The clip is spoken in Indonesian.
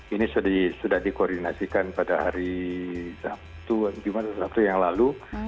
ini sudah dikoordinasikan pada hari sabtu yang lalu